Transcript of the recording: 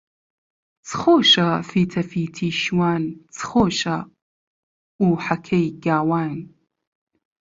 چ خۆشە فیتەفیتی شوان، چ خۆشە ئوحەکەی گاوان